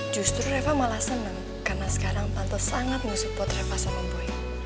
justru reva malah senang karena sekarang tante sangat nge support reva sama boy